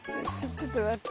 ちょっと待って。